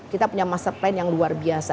kita punya master plan yang luar biasa